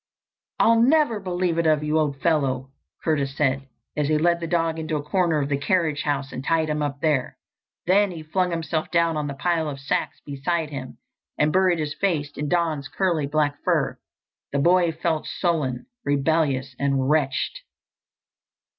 "I'll never believe it of you, old fellow!" Curtis said, as he led the dog into a corner of the carriage house and tied him up there. Then he flung himself down on a pile of sacks beside him and buried his face in Don's curly black fur. The boy felt sullen, rebellious and wretched.